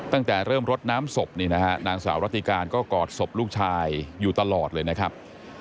ตั้งแต่เริ่มรดน้ำศพนี่นะฮะนางสาวรัติการก็กอดศพลูกชายอยู่ตลอดเลยนะครับ